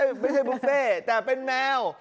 ไม่ใช่บุฟเฟ่แต่เป็นแมว